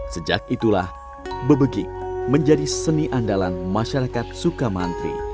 sejak itulah bebegik menjadi seni andalan masyarakat sukamantri